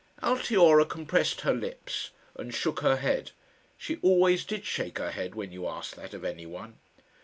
Altiora compressed her lips and shook her head. She always did shake her head when you asked that of anyone.